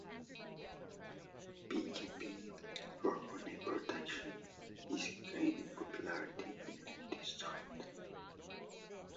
Bee keeping, for honey production, is gaining popularity in the district.